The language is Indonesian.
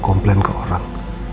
komplain ke orang